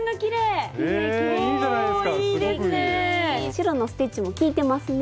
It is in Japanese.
白のステッチもきいてますね。